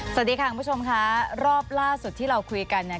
สวัสดีค่ะคุณผู้ชมค่ะรอบล่าสุดที่เราคุยกันเนี่ย